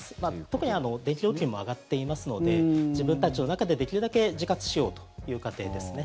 特に電気料金も上がっていますので自分たちの中でできるだけ自活しようという家庭ですね。